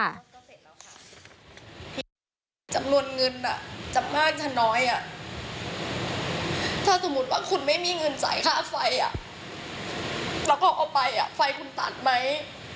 แล้วเขาเอากรนั่นไปคุณจะทำยังไง